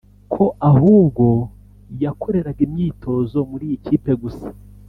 ko ahubwo yakoreraga imyitozo muri iyi kipe gusa